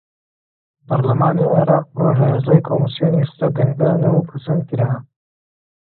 پەڕلەمانی عێراق پڕۆژەیاسای کۆمیسیۆنی خستە دەنگدانەوە و پەسەندکرا.